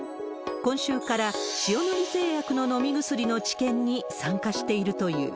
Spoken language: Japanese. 今週から塩野義製薬の飲み薬の治験に参加しているという。